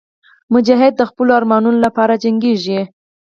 مجاهد د خپلو ارمانونو لپاره جنګېږي.